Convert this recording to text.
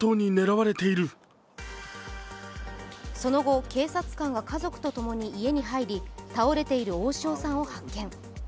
その後、警察官が家族とともに家に入り倒れている大塩さんを発見。